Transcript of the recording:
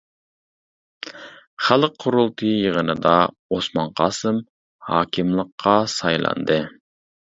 خەلق قۇرۇلتىيى يىغىنىدا ئوسمان قاسىم ھاكىملىققا سايلاندى.